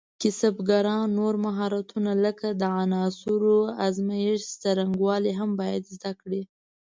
کسبګران نور مهارتونه لکه د عناصرو ازمېښت څرنګوالي هم باید زده کړي.